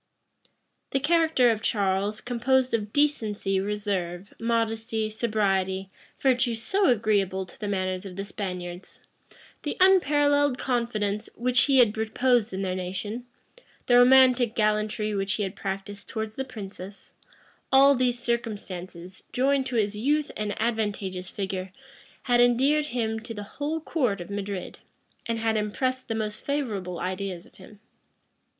The character of Charles, composed of decency, reserve, modesty, sobriety, virtues so agreeable to the manners of the Spaniards; the unparalleled confidence which he had reposed in their nation; the romantic gallantry which he had practised towards the princess; all these circumstances, joined to his youth and advantageous figure, had endeared him to the whole court of Madrid, and had impressed the most favorable ideas of him.